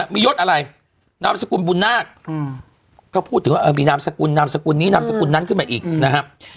มียศอะไรนามสกุลบุญนาคก็พูดถึงว่ามีนามสกุลนามสกุลนี้นามสกุลนั้นขึ้นมาอีกนะครับ